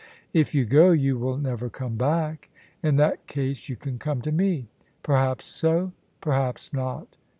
" If you go, you will never come back." " In that case you can come to me." " Perhaps so : perhaps not.